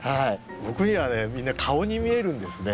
僕にはみんな顔に見えるんですね。